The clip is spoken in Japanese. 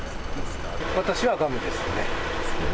私はガムですね。